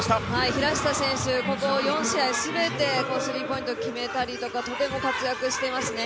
平下選手、ここ４試合全てスリーポイント決めたりとかとても活躍していますね。